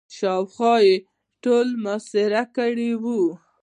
شاوخوا یې ټوله محاصره کړې وه.